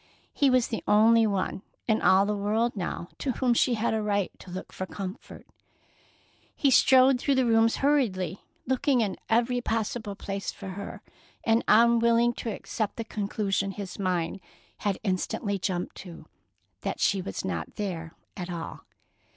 He was the only one in all the world now to whom she had a right to look for comfort. He strode through the rooms hurriedly, looking in every possible place for her, and unwilling to accept the conclusion his mind had instantly jumped to, that she was not there at all.